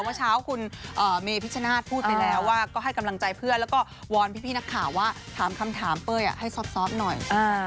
เมื่อเช้าคุณเมพิชชนาธิ์พูดไปแล้วว่าก็ให้กำลังใจเพื่อนแล้วก็วอนพี่นักข่าวว่าถามคำถามเป้ยให้ซอบหน่อย